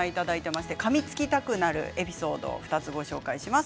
かみつきたくなるエピソードを２つご紹介します。